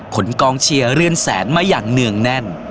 กองเชียร์เรือนแสนมาอย่างเนื่องแน่น